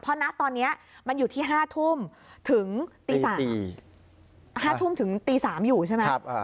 เพราะนะตอนนี้มันอยู่ที่๕ทุ่มถึงตี๓อยู่ใช่ไหม